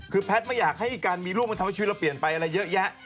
คือแพทย์ไม่อยากให้การมีลูกมันทำให้ชีวิตเราเปลี่ยนไปอะไรเยอะแยะ